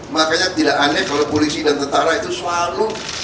makanya tidak aneh kalau polisi dan tentara itu selalu